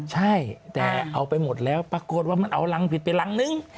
ใช่แต่เอาไปหมดแล้วปรากฏว่ามันเอารังผิดไปรังนึง